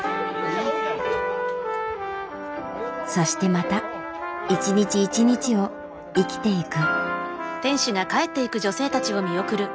そしてまた一日一日を生きていく。